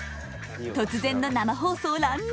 突然の生放送乱入。